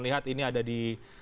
lihat ini ada di